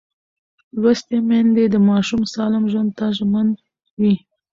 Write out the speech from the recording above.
لوستې میندې د ماشوم سالم ژوند ته ژمن وي.